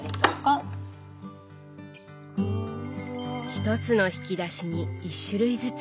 １つの引き出しに１種類ずつ。